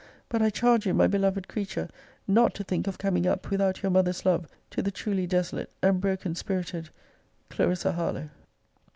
But I charge you, my beloved creature, not to think of coming up without your mother's love, to the truly desolate and broken spirited CLARISSA HARLOWE.